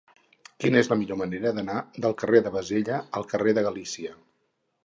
Quina és la millor manera d'anar del carrer de Bassella al carrer de Galícia?